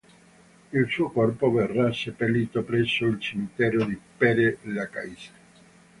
Il suo corpo verrà seppellito presso il cimitero di Père Lachaise.